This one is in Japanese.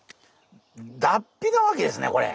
脱皮なわけですねこれ。